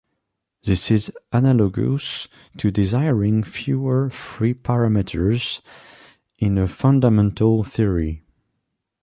This is analogous to desiring fewer free parameters in a fundamental theory.